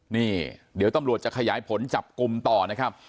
นี่เดี๋ยวตำรวจจะขยายผลจับกลุ่มต่อนะครับ